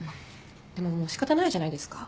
でももう仕方ないじゃないですか。